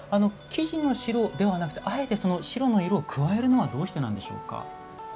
生地の白ではなくてあえてその白の色を加えるのはどうしてなんでしょうか？